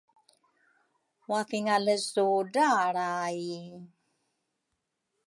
Wathingale su dralray?